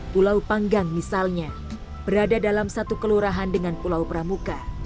pulau panggang misalnya berada dalam satu kelurahan dengan pulau pramuka